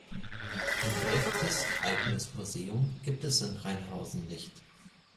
Ein direktes eigenes Museum gibt es in Rheinhausen nicht.